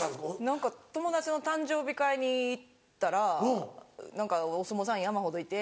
何か友達の誕生日会に行ったらお相撲さん山ほどいて。